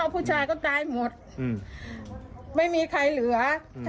ผู้ชายก็ตายหมดไม่มีใครเหลือ